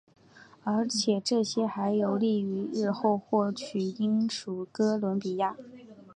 而且这还有利于日后获取英属哥伦比亚。